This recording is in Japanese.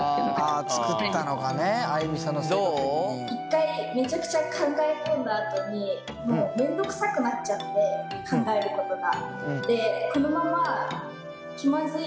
１回メチャクチャ考え込んだあとに面倒くさくなっちゃって考えることが。